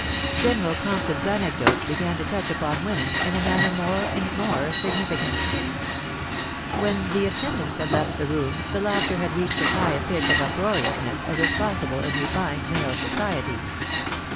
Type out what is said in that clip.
General Compton's anecdotes began to touch upon women, in a manner more and more significant \Vhen the attendants had left the room, the laughter had reached as h^h a pitch of uproariousness as ts possible in refined male society.